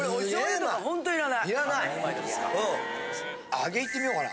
揚げいってみようかな？